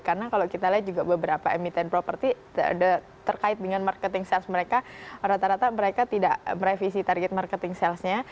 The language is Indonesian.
karena kalau kita lihat juga beberapa emiten properti terkait dengan marketing sales mereka rata rata mereka tidak merevisi target marketing salesnya